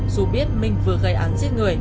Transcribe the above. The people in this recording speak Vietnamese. dù biết mình vừa gây án giết người